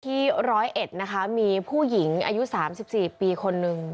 ร้อยเอ็ดนะคะมีผู้หญิงอายุ๓๔ปีคนนึง